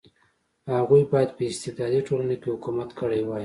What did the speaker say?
هغوی باید په استبدادي ټولنه کې حکومت کړی وای.